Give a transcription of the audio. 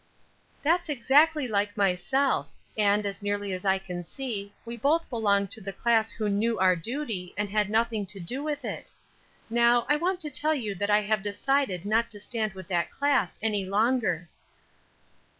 "That's exactly like myself; and, as nearly as I can see, we both belong to the class who knew our duty, and had nothing to do with it. Now, I want to tell you that I have decided not to stand with that class any longer."